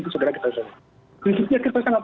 itu segera kita soal prinsipnya kita sangat